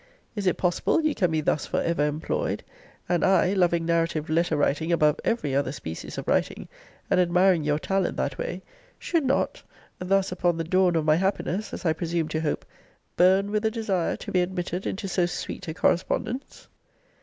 Is it possible you can be thus for ever employed; and I, loving narrative letter writing above every other species of writing, and admiring your talent that way, should not (thus upon the dawn of my happiness, as I presume to hope) burn with a desire to be admitted into so sweet a correspondence?